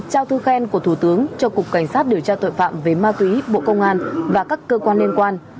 trao thư khen của thủ tướng cho cục cảnh sát điều tra tội phạm về ma túy bộ công an và các cơ quan liên quan